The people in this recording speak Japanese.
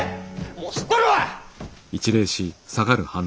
もう知っとるわ！